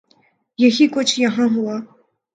یہی کچھ یہاں ہوا۔